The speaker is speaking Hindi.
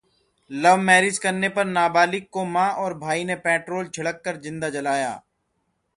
लव मैरिज करने पर नाबालिग को मां और भाई ने पेट्रोल छिड़ककर जिंदा जलाया